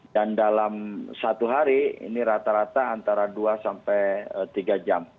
dan dalam satu hari ini rata rata antara dua sampai tiga jam